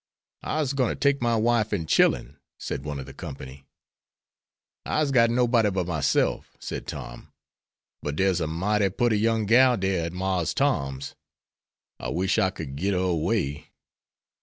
"I'se gwine to take my wife an' chillen," said one of the company. "I'se got nobody but myself," said Tom; "but dere's a mighty putty young gal dere at Marse Tom's. I wish I could git her away.